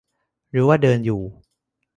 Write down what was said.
รู้ว่าเดินอยู่